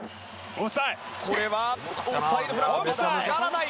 これはオフサイドフラッグまだ上がらない。